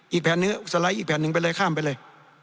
อีกแผ่นเนื้อสไลด์อีกแผ่นหนึ่งไปเลยข้ามไปเลย